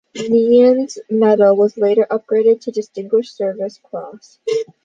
Nein's medal was later upgraded to the Distinguished Service Cross.